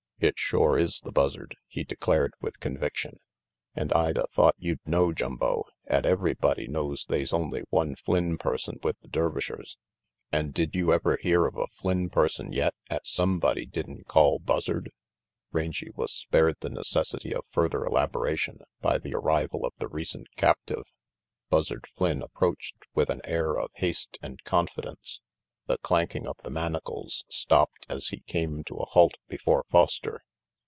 "It shore is the Buzzard," he declared with con viction, "an' I'd a thought you'd know, Jumbo, 'at everybody knows they's only one Flynn person with the Dervishers. An' did you ever hear of a Flynn person yet 'at sumbody did'n call Buzzard?" Rangy was spared the necessity of further elabora tion by the arrival of the recent captive. Buzzard Flynn approached with an air of haste and confidence. The clanking of the manacles stopped as he came to a halt before Foster.